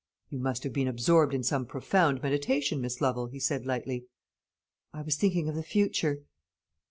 "You must have been absorbed in some profound meditation, Miss Lovel," he said lightly. "I was thinking of the future."